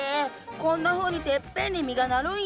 こんなふうにてっぺんに実がなるんや！